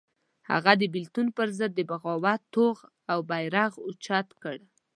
هغه د بېلتون پر ضد د بغاوت توغ او بېرغ اوچت کړ.